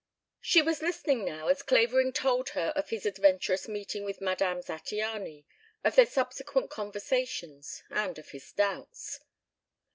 XV She was listening now as Clavering told her of his adventurous meeting with Madame Zattiany, of their subsequent conversations, and of his doubts.